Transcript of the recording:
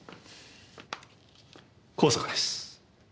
香坂です。